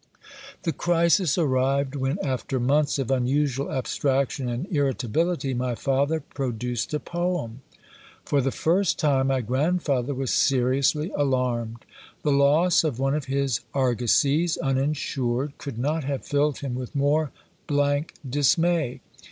The crisis arrived, when, after months of unusual abstraction and irritability, my father produced a poem. For the first time, my grandfather was seriously alarmed. The loss of one of his argosies, uninsured, could not have filled him with more blank dismay.